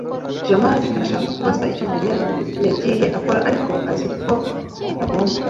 jamali arashaka kubaza icyo mariya yagiye akora, ariko azi ko atagomba